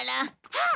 あっ！